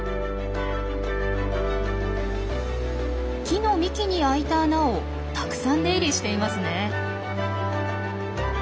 木の幹に開いた穴をたくさん出入りしていますねえ。